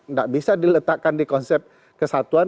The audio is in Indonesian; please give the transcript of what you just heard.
nggak bisa diletakkan di konsep kesatuan